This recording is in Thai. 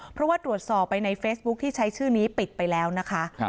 เพราะว่าตรวจสอบไปในเฟซบุ๊คที่ใช้ชื่อนี้ปิดไปแล้วนะคะ